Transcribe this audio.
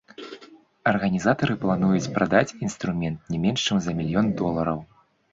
Арганізатары плануюць прадаць інструмент не менш чым за мільён долараў.